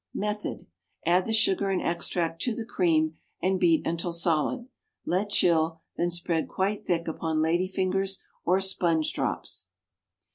Method. Add the sugar and extract to the cream and beat until solid; let chill, then spread quite thick upon lady fingers or sponge drops.